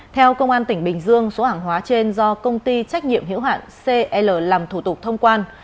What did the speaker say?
theo công an tỉnh bình dương số hàng hóa trên do công ty trách nhiệm hiệu hạn cl làm thủ tục thông quan